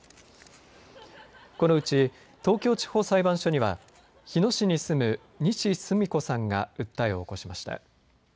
このうち東京地方裁判所には日野市に住む西スミ子さんが訴えを起こしました。